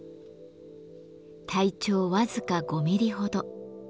体長僅か５ミリほど。